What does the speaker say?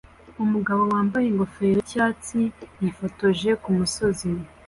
Umugabo wambaye ingofero yicyatsi yifotoje kumusozi